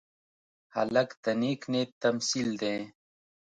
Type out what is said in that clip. هلک د نیک نیت تمثیل دی.